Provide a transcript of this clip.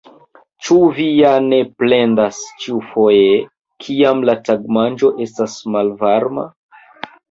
Ĉu vi ja ne plendas ĉiufoje, kiam la tagmanĝo estas malvarma?